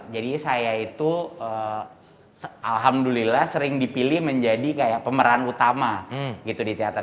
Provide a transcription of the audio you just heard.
jadi saya itu alhamdulillah sering dipilih menjadi kayak pemeran utama gitu di teater